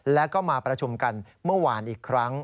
แล้วก็มาประชุมกันเมื่อวานอีกครั้ง